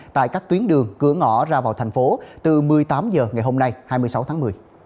tại các tuyến đường cửa ngõ ra vào thành phố từ một mươi tám h ngày hôm nay hai mươi sáu tháng một mươi